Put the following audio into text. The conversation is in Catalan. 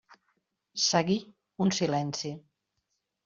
Seguí un silenci.